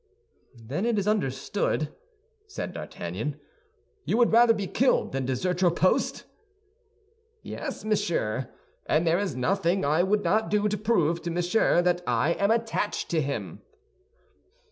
"Then it is understood," said D'Artagnan; "you would rather be killed than desert your post?" "Yes, monsieur; and there is nothing I would not do to prove to Monsieur that I am attached to him."